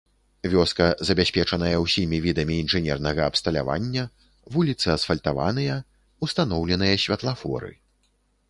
Вёска забяспечаная ўсімі відамі інжынернага абсталявання, вуліцы асфальтаваныя, устаноўленыя святлафоры.